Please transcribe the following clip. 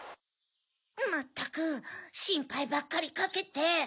まったくしんぱいばっかりかけて！